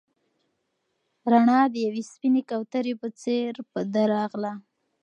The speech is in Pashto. رڼا د یوې سپینې کوترې په څېر په ده راغله.